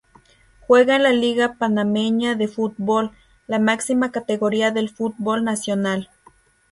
Juega en la Liga Panameña de Fútbol, la máxima categoría del fútbol nacional.